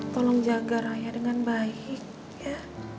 tolong jaga raya dengan baik ya